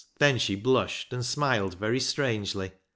Then she blushed, and smiled very strangely.